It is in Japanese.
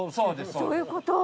どういうこと？